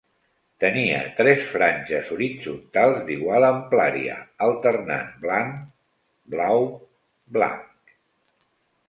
Tenia tres franges horitzontals d'igual amplària, alternant blanc, blau, blanc.